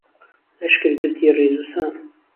لهشکر گرتی ڕیز و سان